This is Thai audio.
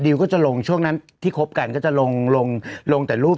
ก็จะลงช่วงนั้นที่คบกันก็จะลงลงแต่รูป